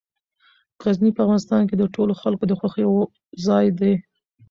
غزني په افغانستان کې د ټولو خلکو د خوښې ځای دی.